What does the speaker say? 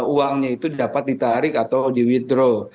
uangnya itu dapat ditarik atau di withrow